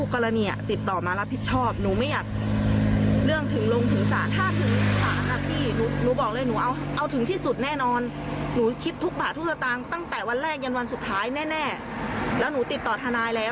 ก็ต้องมีปัญหา